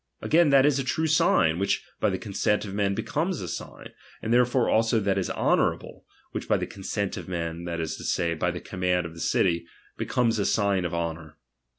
Again, that is a true sign, which by the consent of men be comes a sign ; therefore also that is honourable, which by the consent of men, that is to say, by the command of the city, becomes a sign of Jionour.